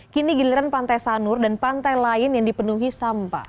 kini giliran pantai sanur dan pantai lain yang dipenuhi sampah